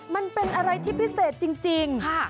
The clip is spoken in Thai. มันเป็นอะไรที่พิเศษจริง